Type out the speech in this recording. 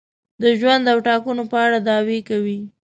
د ژوند او ټاکنو په اړه دعوې کوي.